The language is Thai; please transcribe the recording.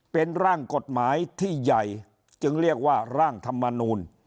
เป็นร่างกฎหมายที่ใหญ่จึงเรียกว่าร่างธรรมนูล